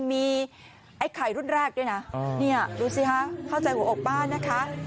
มีไอ้ไข่รุ่นแรกด้วยนะนี่ดูสิฮะเข้าใจหัวอกบ้านนะคะ